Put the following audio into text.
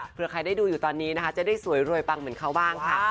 เพื่อใครได้ดูอยู่ตอนนี้นะคะจะได้สวยรวยปังเหมือนเขาบ้างค่ะ